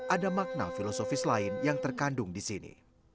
ada makna filosofis lain yang terkandung di sini